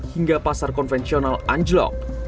hingga pasar konvensional anjlok